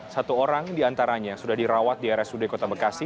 satu orang diantaranya sudah dirawat di rsud kota bekasi